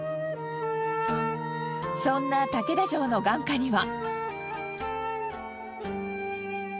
そんな竹田城の眼下には。